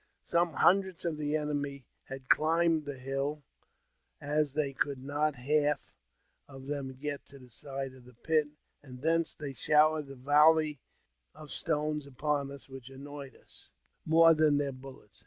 Some hundreds of the enemy had climbed the hill, as they could not half of them get to the side of the pit, and thence they showered volleys of stones upon us, which annoyed us more than their bullets.